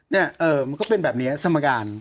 เนี่ยมันก็เป็นแบบนี้สมการ